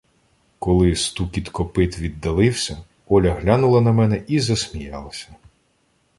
Коли стукіт копит віддалився, Оля глянула на мене і засміялася.